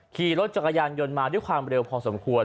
ขี่รถจักรยานยนต์มาด้วยความเร็วพอสมควร